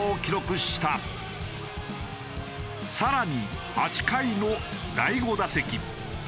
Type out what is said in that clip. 更に８回の第５打席。